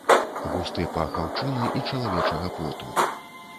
Густы пах аўчыны і чалавечага поту.